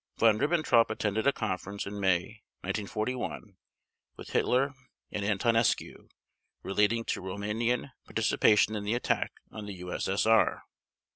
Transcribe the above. Von Ribbentrop attended a conference in May 1941 with Hitler and Antonescu relating to Rumanian participation in the attack on the U.S.S.R.